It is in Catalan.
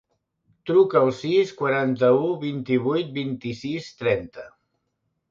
Truca al sis, quaranta-u, vint-i-vuit, vint-i-sis, trenta.